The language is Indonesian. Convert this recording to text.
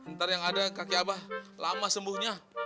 ntar yang ada kaki abah lama sembuhnya